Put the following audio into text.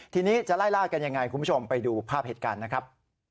ทีนี้จะไล่ล่ากันยังไงคุณผู้ชมไปดูภาพเหตุการณ์นะครับ